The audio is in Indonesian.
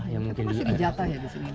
pasti di jatah ya disini